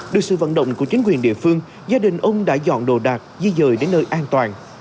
được sự vận động của chính quyền địa phương gia đình ông đã dọn đồ đạc di dời đến nơi an toàn